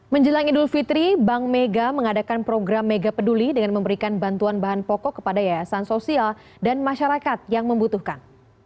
menjelang idul fitri bank mega mengadakan program mega peduli dengan memberikan bantuan bahan pokok kepada yayasan sosial dan masyarakat yang membutuhkan